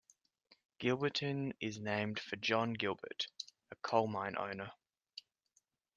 Gilberton is named for John Gilbert, a coal mine owner.